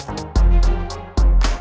oke kamu berhenti menangis